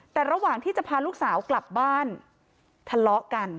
แต่ระหว่างที่จะพาลูกสาวกลับบ้านทะเลาะกัน